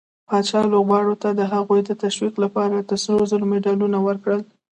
پاچا لوبغارو ته د هغوي د تشويق لپاره د سروزرو مډالونه ورکړل.